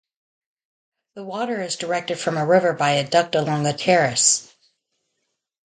The water is directed from a river by a duct along a terrace.